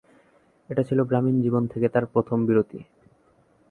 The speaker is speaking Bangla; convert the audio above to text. এটি ছিল গ্রামীণ জীবন থেকে তার প্রথম বিরতি।